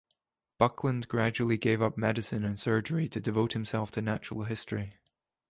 Buckland gradually gave up medicine and surgery to devote himself to natural history.